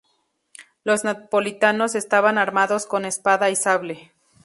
Los napolitanos estaban armados con espada y sable.